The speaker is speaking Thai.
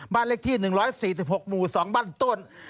บ้านเลขที่๑๔๖หมู่๒บ้านต้น